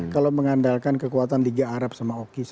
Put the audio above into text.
kalau mengandalkan kekuatan tiga arab sama orang lainnya